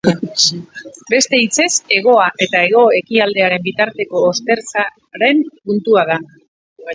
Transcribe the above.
Beste hitzez, hegoa eta hego-ekialdearen bitarteko ostertzaren puntua da.